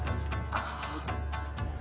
ああ。